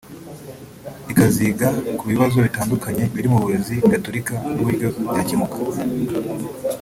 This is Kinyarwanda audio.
ikaziga ku bibazo bitandukanye biri mu burezi gatolika n’uburyo byakemuka